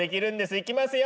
いきますよ！